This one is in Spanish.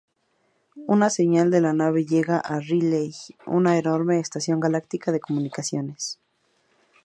Una señal de la nave llega a "Relay", una enorme estación galáctica de comunicaciones.